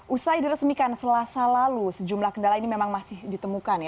usai diresmikan selasa lalu sejumlah kendala ini memang masih ditemukan ya